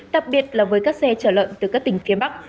đặc biệt là với các xe chở lợn từ các tỉnh phía bắc